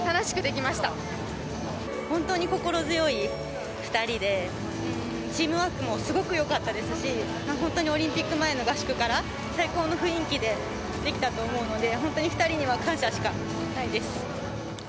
本当に心強い２人で、チームワークもすごくよかったですし、本当にオリンピック前の合宿から、最高の雰囲気でできたと思うので、本当に２人には感謝しかないです。